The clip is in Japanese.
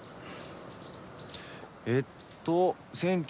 えっと